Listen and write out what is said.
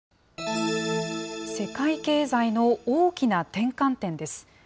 世界経済の大きな転換点です。